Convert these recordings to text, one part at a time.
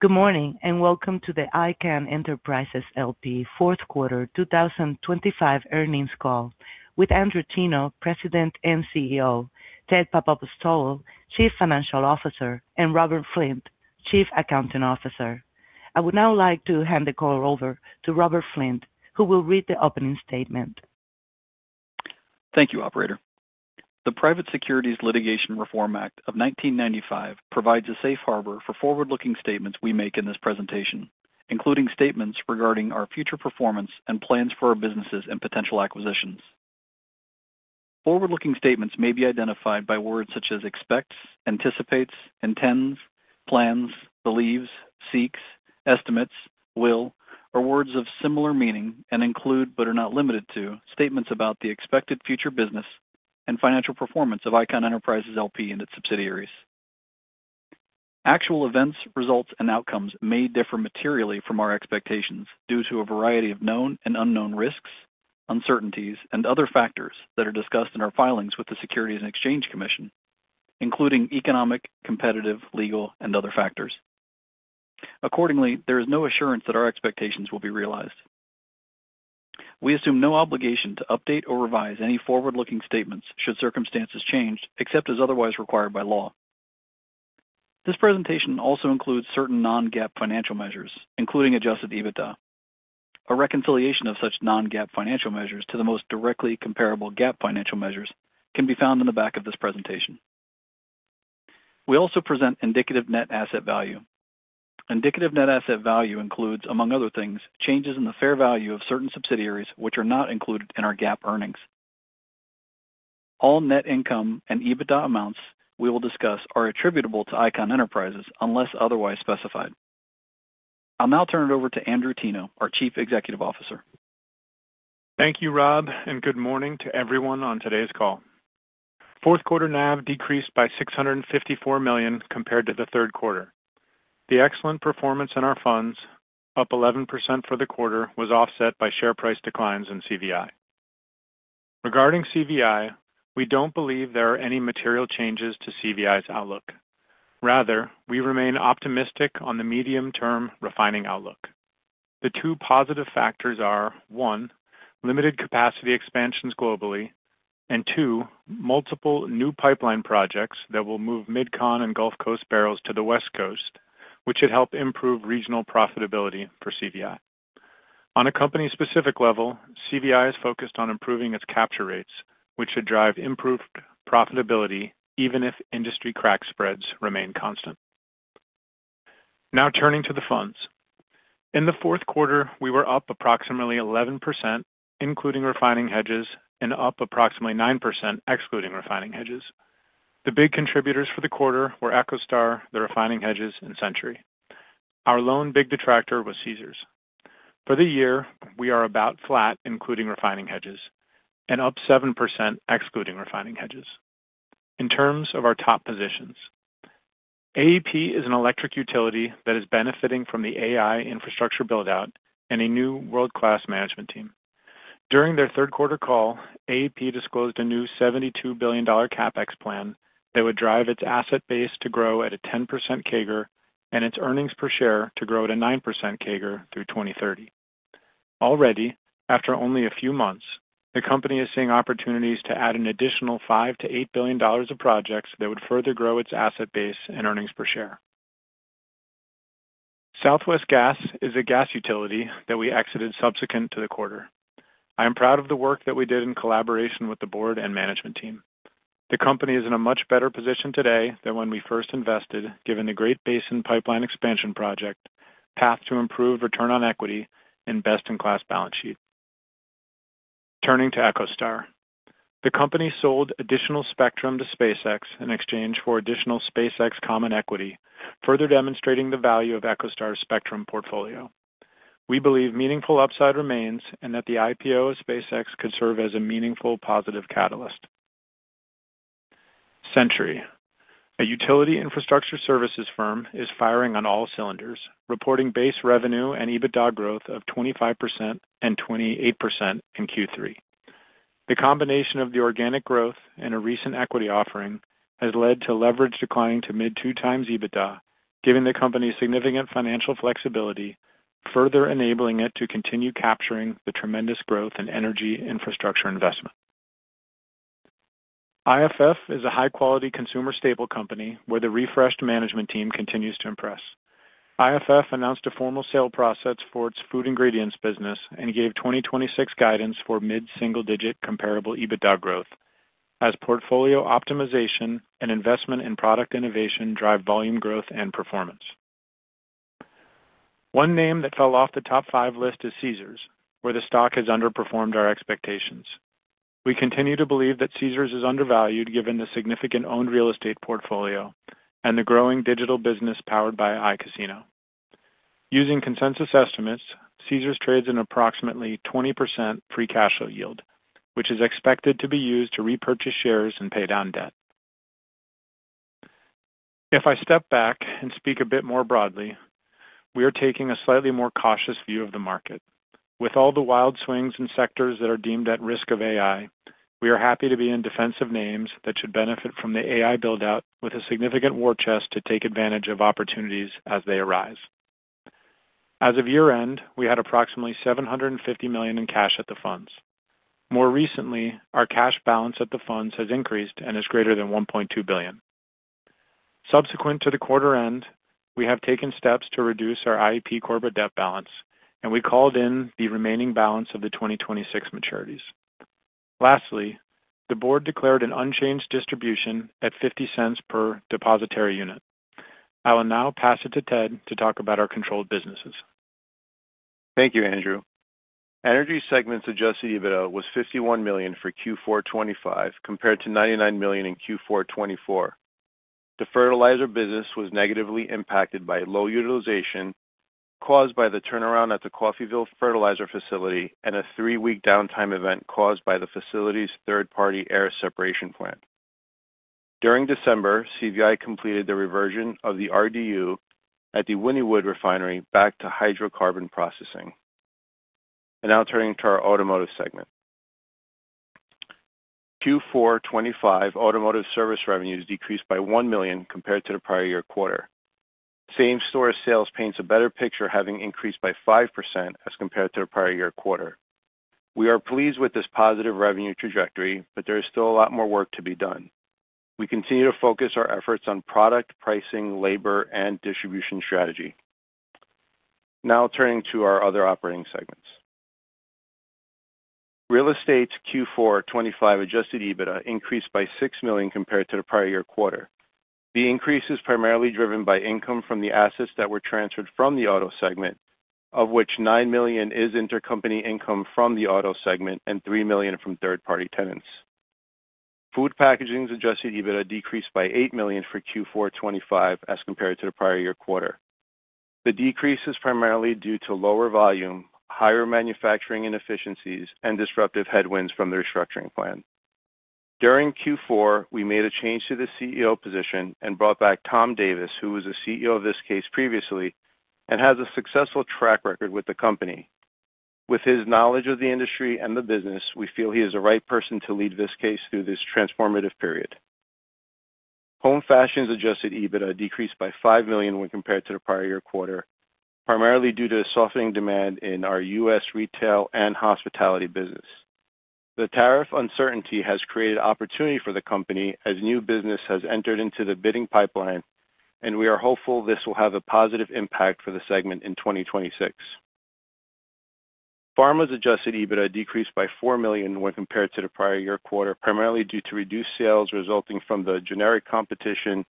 Good morning, welcome to the Icahn Enterprises L.P. fourth quarter 2025 earnings call with Andrew Teno, President and CEO, Ted Papapostolou, Chief Financial Officer, and Robert Flint, Chief Accounting Officer. I would now like to hand the call over to Robert Flint, who will read the opening statement. Thank you, operator. The Private Securities Litigation Reform Act of 1995 provides a safe harbor for forward-looking statements we make in this presentation, including statements regarding our future performance and plans for our businesses and potential acquisitions. Forward-looking statements may be identified by words such as expects, anticipates, intends, plans, believes, seeks, estimates, will, or words of similar meaning, and include, but are not limited to, statements about the expected future business and financial performance of Icahn Enterprises L.P. and its subsidiaries. Actual events, results, and outcomes may differ materially from our expectations due to a variety of known and unknown risks, uncertainties, and other factors that are discussed in our filings with the Securities and Exchange Commission, including economic, competitive, legal, and other factors. Accordingly, there is no assurance that our expectations will be realized. We assume no obligation to update or revise any forward-looking statements should circumstances change, except as otherwise required by law. This presentation also includes certain non-GAAP financial measures, including Adjusted EBITDA. A reconciliation of such non-GAAP financial measures to the most directly comparable GAAP financial measures can be found in the back of this presentation. We also present indicative net asset value. Indicative net asset value includes, among other things, changes in the fair value of certain subsidiaries, which are not included in our GAAP earnings. All net income and EBITDA amounts we will discuss are attributable to Icahn Enterprises, unless otherwise specified. I'll now turn it over to Andrew Teno, our Chief Executive Officer. Thank you, Robert, good morning to everyone on today's call. Fourth quarter NAV decreased by $654 million compared to the third quarter. The excellent performance in our funds, up 11% for the quarter, was offset by share price declines in CVI. Regarding CVI, we don't believe there are any material changes to CVI's outlook. Rather, we remain optimistic on the medium-term refining outlook. The two positive factors are, one, limited capacity expansions globally, and two, multiple new pipeline projects that will move MidCon and Gulf Coast barrels to the West Coast, which should help improve regional profitability for CVI. On a company-specific level, CVI is focused on improving its capture rates, which should drive improved profitability even if industry crack spreads remain constant. Now, turning to the funds. In the fourth quarter, we were up approximately 11%, including refining hedges, and up approximately 9%, excluding refining hedges. The big contributors for the quarter were EchoStar, the refining hedges, and Centuri. Our loan big detractor was Caesars. For the year, we are about flat, including refining hedges, and up 7% excluding refining hedges. In terms of our top positions, AEP is an electric utility that is benefiting from the AI infrastructure build-out and a new world-class management team. During their third quarter call, AEP disclosed a new $72 billion CapEx plan that would drive its asset base to grow at a 10% CAGR and its earnings per share to grow at a 9% CAGR through 2030. Already, after only a few months, the company is seeing opportunities to add an additional $5 billion-$8 billion of projects that would further grow its asset base and earnings per share. Southwest Gas is a gas utility that we exited subsequent to the quarter. I am proud of the work that we did in collaboration with the board and management team. The company is in a much better position today than when we first invested, given the Great Basin Pipeline expansion project, path to improve return on equity, and best-in-class balance sheet. Turning to EchoStar. The company sold additional spectrum to SpaceX in exchange for additional SpaceX common equity, further demonstrating the value of EchoStar's spectrum portfolio. We believe meaningful upside remains and that the IPO of SpaceX could serve as a meaningful positive catalyst. Centuri, a utility infrastructure services firm, is firing on all cylinders, reporting base revenue and EBITDA growth of 25% and 28% in Q3. The combination of the organic growth and a recent equity offering has led to leverage declining to mid 2x EBITDA, giving the company significant financial flexibility, further enabling it to continue capturing the tremendous growth in energy infrastructure investment. IFF is a high-quality consumer staple company where the refreshed management team continues to impress. IFF announced a formal sale process for its food ingredients business and gave 2026 guidance for mid-single-digit Comparable EBITDA growth as portfolio optimization and investment in product innovation drive volume growth and performance. One name that fell off the top five list is Caesars, where the stock has underperformed our expectations. We continue to believe that Caesars is undervalued, given the significant owned real estate portfolio and the growing digital business powered by iCasino. Using consensus estimates, Caesars trades an approximately 20% free cash flow yield, which is expected to be used to repurchase shares and pay down debt. If I step back and speak a bit more broadly, we are taking a slightly more cautious view of the market. With all the wild swings in sectors that are deemed at risk of AI. We are happy to be in defensive names that should benefit from the AI build-out, with a significant war chest to take advantage of opportunities as they arise. As of year-end, we had approximately $750 million in cash at the funds. More recently, our cash balance at the funds has increased and is greater than $1.2 billion. Subsequent to the quarter end, we have taken steps to reduce our IEP corporate debt balance. We called in the remaining balance of the 2026 maturities. Lastly, the board declared an unchanged distribution at $0.50 per depository unit. I will now pass it to Ted to talk about our controlled businesses. Thank you, Andrew. Energy segment's Adjusted EBITDA was $51 million for Q4 2025, compared to $99 million in Q4 2024. The fertilizer business was negatively impacted by low utilization caused by the turnaround at the Coffeyville fertilizer facility and a three-week downtime event caused by the facility's third-party air separation plant. During December, CVI completed the reversion of the RDU at the Wynnewood refinery back to hydrocarbon processing. Now turning to our automotive segment. Q4 2025 automotive service revenues decreased by $1 million compared to the prior year quarter. Same-store sales paints a better picture, having increased by 5% as compared to the prior year quarter. We are pleased with this positive revenue trajectory, but there is still a lot more work to be done. We continue to focus our efforts on product, pricing, labor, and distribution strategy. Now turning to our other operating segments. Real Estate's Q4 2025 Adjusted EBITDA increased by $6 million compared to the prior year quarter. The increase is primarily driven by income from the assets that were transferred from the auto segment, of which $9 million is intercompany income from the auto segment and $3 million from third-party tenants. Food Packaging's Adjusted EBITDA decreased by $8 million for Q4 2025 as compared to the prior year quarter. The decrease is primarily due to lower volume, higher manufacturing inefficiencies, and disruptive headwinds from the restructuring plan. During Q4, we made a change to the CEO position and brought back Tom Davis, who was the CEO of Viskase previously and has a successful track record with the company. With his knowledge of the industry and the business, we feel he is the right person to lead Viskase through this transformative period. Home Fashion's Adjusted EBITDA decreased by $5 million when compared to the prior year quarter, primarily due to a softening demand in our U.S. retail and hospitality business. The tariff uncertainty has created opportunity for the company as new business has entered into the bidding pipeline. We are hopeful this will have a positive impact for the segment in 2026. Pharma's Adjusted EBITDA decreased by $4 million when compared to the prior year quarter, primarily due to reduced sales resulting from the generic competition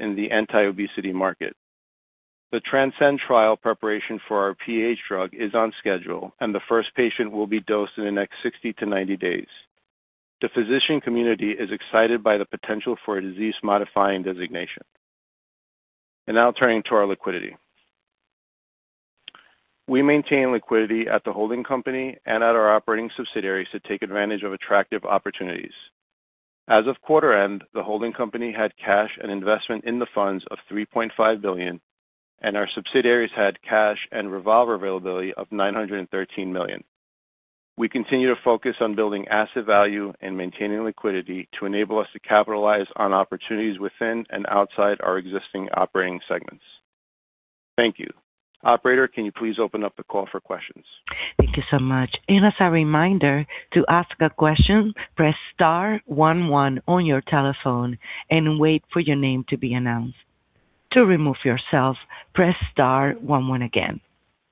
in the anti-obesity market. The Transcend trial preparation for our PH drug is on schedule. The first patient will be dosed in the next 60 to 90 days. The physician community is excited by the potential for a disease-modifying designation. Now turning to our liquidity. We maintain liquidity at the holding company and at our operating subsidiaries to take advantage of attractive opportunities. As of quarter end, the holding company had cash and investment in the funds of $3.5 billion, and our subsidiaries had cash and revolver availability of $913 million. We continue to focus on building asset value and maintaining liquidity to enable us to capitalize on opportunities within and outside our existing operating segments. Thank you. Operator, can you please open up the call for questions? Thank you so much. As a reminder, to ask a question, press star one one on your telephone and wait for your name to be announced. To remove yourself, press star one one again.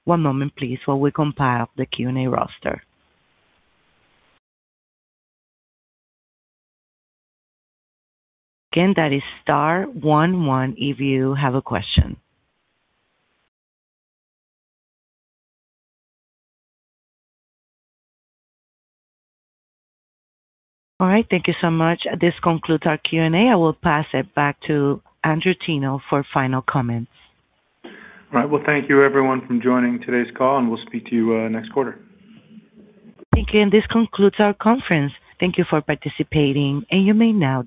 One moment, please, while we compile the Q&A roster. Again, that is star one one if you have a question. All right. Thank you so much. This concludes our Q&A. I will pass it back to Andrew Teno for final comments. All right. Well, thank you, everyone, for joining today's call. We'll speak to you next quarter. Thank you, and this concludes our conference. Thank you for participating, and you may now disconnect.